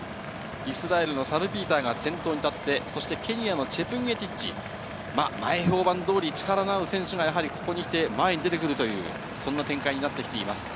イスラエルのサルピーターが先頭に立って、そして、ケニアのチェプンゲティッチ、前評判どおり、力のある選手がここにきて前に出てくるという、そんな展開になってきています。